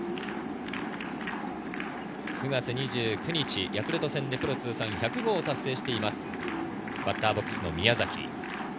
９月２９日、ヤクルト戦でプロ通算１００号を達成しています、バッターボックスの宮崎。